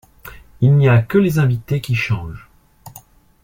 Il n'y a que les invités qui changent.